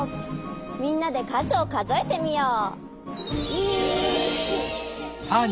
みんなでかずをかぞえてみよう。